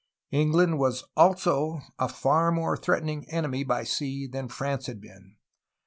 England also was a far more threatening enemy by sea than France had been.